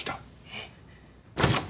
えっ？